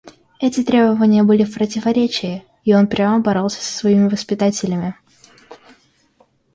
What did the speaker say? Эти требования были в противоречии, и он прямо боролся с своими воспитателями.